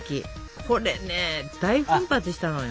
これね大奮発したのよ。